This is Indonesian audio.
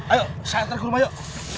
ayo saya antar ke rumah yuk